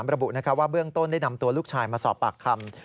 ระบุว่าเบื้องต้นได้นำตัวลูกชายมาสอบปากคำ